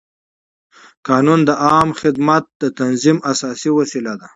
قانون د عامه خدمت د تنظیم اساسي وسیله ده.